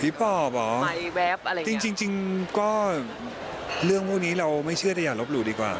ปอบเหรอจริงจริงก็เรื่องพวกนี้เราไม่เชื่อแต่อย่าลบหลู่ดีกว่า